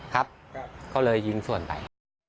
ครับเขาเลยหินส่วนไป